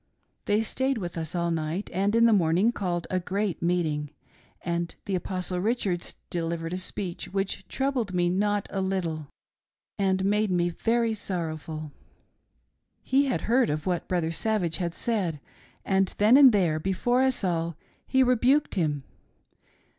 They stayed with us all night, and in the morning called a great meeting, and the Apostle Rich ards delivered a speech, which troubled me not a little, and xnade me very sorrowful. " He had heard of what Brother Savage had said, and then and there, before us all, he rebuked him.